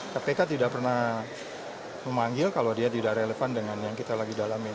kpk tidak pernah memanggil kalau dia tidak relevan dengan yang kita lagi dalamin